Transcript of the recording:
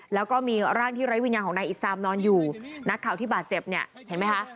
แล้วก็มีร่างที่ไร้วิญญาณของนายอิซามนอนอยู่นักข่าวที่บาดเจ็บเนี่ยเห็นไหมคะ